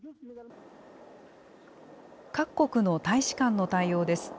各国の大使館の対応です。